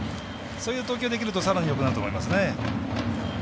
それができるとさらによくなると思います。